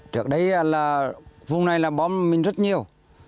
trước đây là vùng này là bom mình rất nhiều